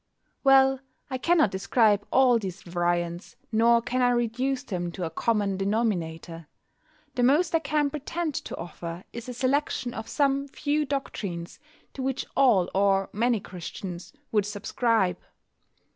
Well, I cannot describe all these variants, nor can I reduce them to a common denominator. The most I can pretend to offer is a selection of some few doctrines to which all or many Christians would subscribe.